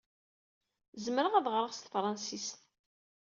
Zemreɣ ad ɣreɣ s tefṛensist.